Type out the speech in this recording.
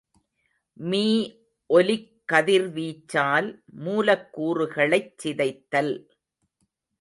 மீஒலிக் கதிர்வீச்சால் மூலக்கூறுகளைச் சிதைத்தல்.